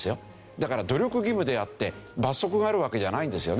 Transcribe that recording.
だから努力義務であって罰則があるわけじゃないんですよね。